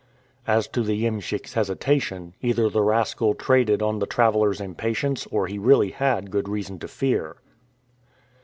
As to the iemschik's hesitation, either the rascal traded on the traveler's impatience or he really had good reason to fear.